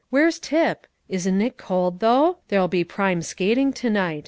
Where's Tip? Isn't it cold, though? There'll be prime skating to night.